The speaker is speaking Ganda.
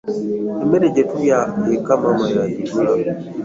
Emmere gye tulya eka maama y'agigula.